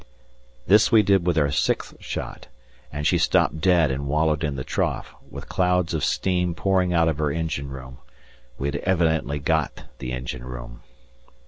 This we did with our sixth shot, and she stopped dead and wallowed in the trough, with clouds of steam pouring out of her engine room; we had evidently got the engine room.